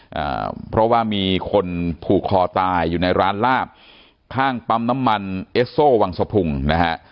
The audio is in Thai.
อ่าเพราะว่ามีคนผูกคอตายอยู่ในร้านลาบข้างปั๊มน้ำมันเอสโซวังสะพุงนะฮะ